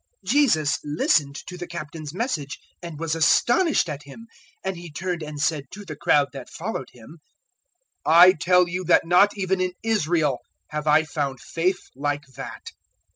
007:009 Jesus listened to the Captain's message and was astonished at him, and He turned and said to the crowd that followed Him, "I tell you that not even in Israel have I found faith like that."